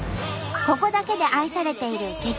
ここだけで愛されている激